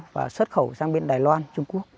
và xuất khẩu sang bên đài loan trung quốc